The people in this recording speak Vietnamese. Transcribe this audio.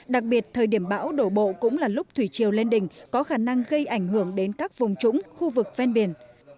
đặc biệt thời điểm bão đổ bộ cũng là lúc thủy chiều lên đỉnh có khả năng gây ảnh hưởng đến các vùng trũng khu vực ven biển